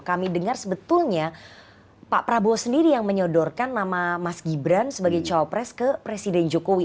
kami dengar sebetulnya pak prabowo sendiri yang menyodorkan nama mas gibran sebagai cowok pres ke presiden jokowi